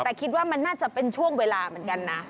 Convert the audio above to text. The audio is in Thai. แต่คิดว่ามันน่าจะเป็นช่วงเวลาเหมือนกันนะ